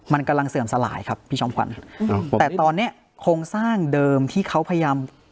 มันกำลังเสื่อมสลายครับพี่จอมขวัญอืมแต่ตอนเนี้ยโครงสร้างเดิมที่เขาพยายาม